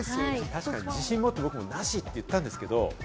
確かに自信もって僕も「なし」って言ったんですけど。